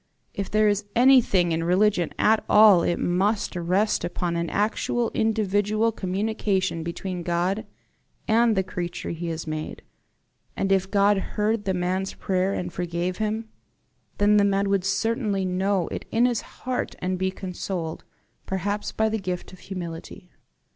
If there is anything in religion at all it must rest upon an actual individual communication between God and the creature he has made; and if God heard the man's prayer and forgave him, then the man would certainly know it in his heart and be consoled perhaps by the gift of humility."